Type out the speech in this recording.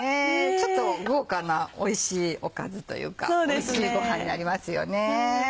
ちょっと豪華なおいしいおかずというかおいしいごはんになりますよね。